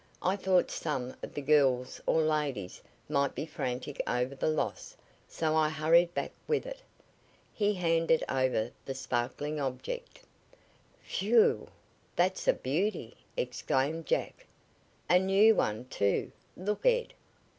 I thought some of the girls or ladies might be frantic over the loss, so I hurried back with it." He handed over the sparkling object. "Whew! That's a beauty!" exclaimed Jack. "A new one, too! Look, Ed!